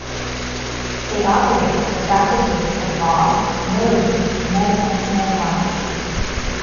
They operated the Faculties of Law, Notaries, Medicine and Pharmacy.